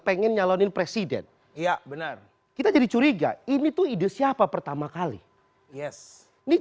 pengen nyalonin presiden iya benar kita jadi curiga ini tuh ide siapa pertama kali yes ini